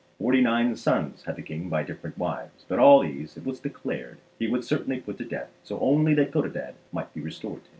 Forty nine sons had the King by different wives, but all these, it was declared, he would willingly put to death so only that Codadad might be restored to him.